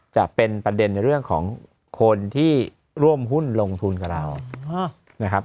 จะเป็นประเด็นในเรื่องของคนที่ร่วมหุ้นลงทุนกับเรานะครับ